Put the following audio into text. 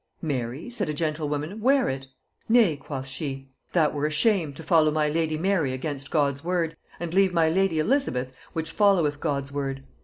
'Mary,' said a gentlewoman, 'wear it.' 'Nay,' quoth she, 'that were a shame, to follow my lady Mary against God's word, and leave my lady Elizabeth which followeth God's word.'